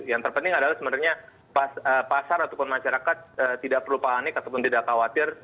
yang terpenting adalah sebenarnya pasar ataupun masyarakat tidak perlu panik ataupun tidak khawatir